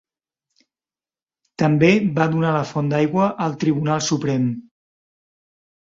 També va donar la font d'aigua al Tribunal Suprem.